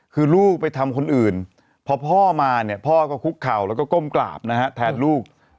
คือลูกไปทำคนอื่นพอพ่อมาเนี่ยพ่อก็คุกเข่าแล้วก็ก้มกราบนะฮะแทนลูก